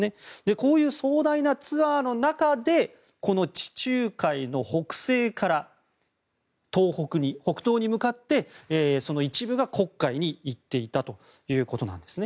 こういう壮大なツアーの中でこの地中海の北西から北東に向かって一部が黒海に行っていたということです。